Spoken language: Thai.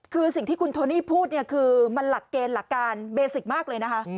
คือสิ่งที่คุณโทนี่พูดเนี่ยคือมันหลักเกณฑ์หลักการเบสิกมากเลยนะคะ